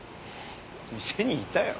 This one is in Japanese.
店にいたよ。